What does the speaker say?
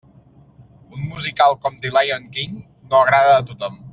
Un musical com The Lyon King no agrada a tothom.